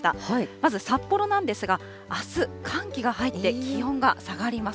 まず札幌なんですが、あす、寒気が入って気温が下がります。